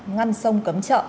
ngăn sông cấm chợ